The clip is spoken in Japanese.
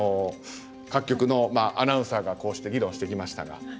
各局のアナウンサーがこうして議論してきましたが。